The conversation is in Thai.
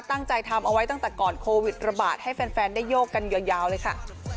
ตั้งใจทำเอาไว้ตั้งแต่ก่อนโควิดระบาดให้แฟนได้โยกกันยาวเลยค่ะ